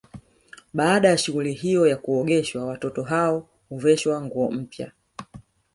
Baada ya shughuli hiyo ya kuogeshwa watoto hao huveshwa nguo mpya